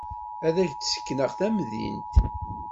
Ad k-d-ssekneɣ tamdint.